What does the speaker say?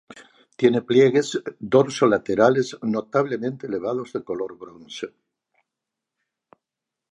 Tiene pliegues dorso-laterales notablemente elevados de color bronce.